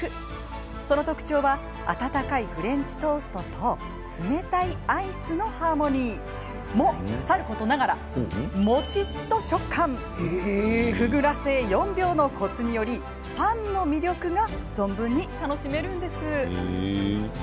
その特徴は温かいフレンチトーストと冷たいアイスのハーモニーもさることながらもちっと食感くぐらせ４秒のコツによりパンの魅力が存分に楽しめるんです。